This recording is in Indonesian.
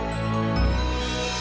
pernah galau langsung